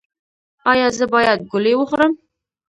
ایا زه باید ګولۍ وخورم؟